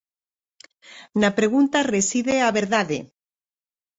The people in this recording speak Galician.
Na pregunta reside a verdade".